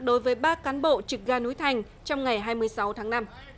đối với ba cán bộ trực ga núi thành trong ngày hai mươi sáu tháng năm